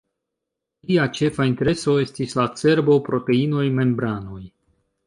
Lia ĉefa intereso estis la cerbo, proteinoj, membranoj.